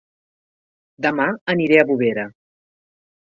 Dema aniré a Bovera